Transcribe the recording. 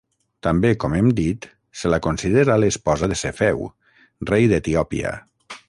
També, com hem dit, se la considera l'esposa de Cefeu, rei d'Etiòpia.